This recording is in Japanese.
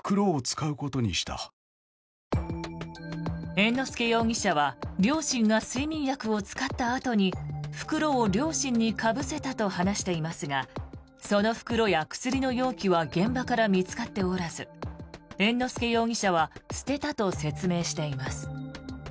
猿之助容疑者は両親が睡眠薬を使ったあとに袋を両親にかぶせたと話していますがその袋や薬の容器は現場から見つかっておらず猿之助容疑者は捨てたと説明しています。